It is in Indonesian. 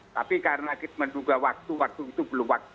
tapi karena kita menduga waktu waktu itu belum waktu